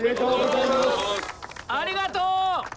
ありがとう！